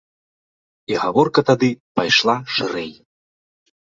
І гаворка тады пайшла шырэй.